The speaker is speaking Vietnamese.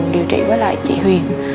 điều trị với lại chị huyền